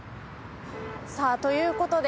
さあということで。